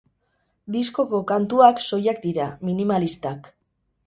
Diskoko kantuak soilak dira, minimalistak.